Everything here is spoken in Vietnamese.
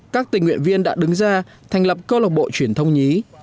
các tình nguyện viên đã đứng ra thành lập cơ lộc bộ truyền thông nhí